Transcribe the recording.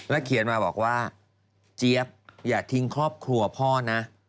เขียนมาบอกว่าเจี๊ยบอย่าทิ้งครอบครัวพ่อนะ